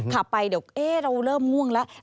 ขับไปเดี๋ยวเราเริ่มง่วงแล้ว